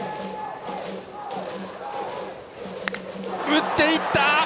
打っていった！